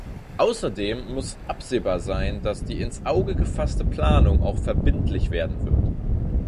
Außerdem muss absehbar sein, dass die ins Auge gefasste Planung auch verbindlich werden wird.